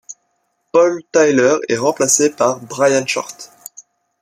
Paul Tiller est remplacé par Brian Short.